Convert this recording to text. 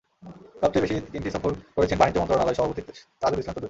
সবচেয়ে বেশি তিনটি সফর করেছেন বাণিজ্য মন্ত্রণালয় কমিটির সভাপতি তাজুল ইসলাম চৌধুরী।